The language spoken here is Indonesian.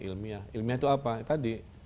ilmiah ilmiah itu apa tadi